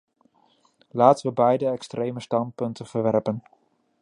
Laten we beide extreme standpunten verwerpen.